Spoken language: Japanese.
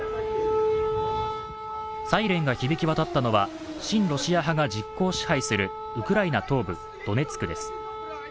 サイレンが響き渡ったのは親ロシア派が実効支配するウクライナ東部ドネツクです。